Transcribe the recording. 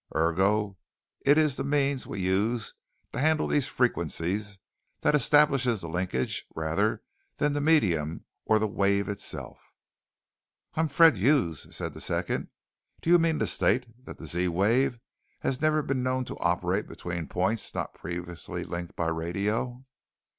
Ergo, it is the means we use to handle these frequencies that establish the 'linkage' rather than the medium or the wave itself." "I am Fred Hughes," said the second. "Do you mean to state that the Z wave has never been known to operate between points not previously linked by radio?"